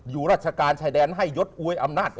ราชการชายแดนให้ยดอวยอำนาจ